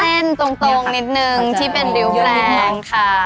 ตรงนิดนึงที่เป็นริ้วแรงค่ะ